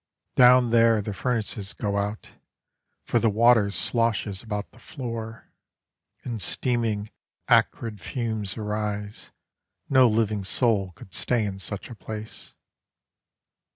Down there the furnaces go out, for the water Sloshes about the floor; And steaming acrid fumes arise, No living soul could stay in such a place.